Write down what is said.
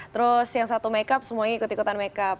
terus yang satu makeup semuanya ikut ikutan makeup